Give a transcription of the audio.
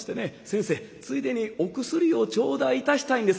「先生ついでにお薬を頂戴いたしたいんですが」。